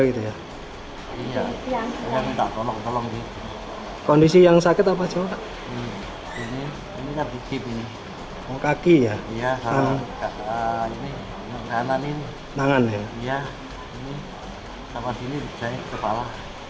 iya ini sama sini jahit kepala